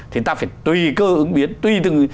thì ta phải tùy cơ ứng biến